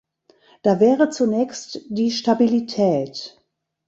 Da wäre zunächst die Stabilität.